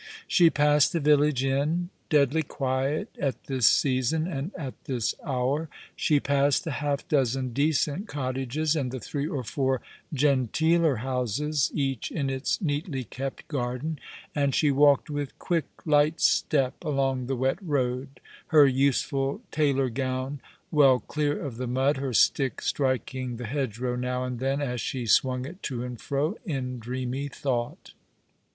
She passed the village inn, deadly quiet at this season and at this hour. She passed the half dozen decent cottages, and the three or four genteeler houses, each in its neatly kept garden, and she walked with quick, light step along the wet road, her useful tailor gown well clear of the mud, her stick striking the hedgerow now and then, as she swung it to and fro in dreamy thought.